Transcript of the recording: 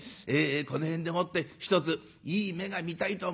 この辺でもってひとついい目が見たいと思うんでございます。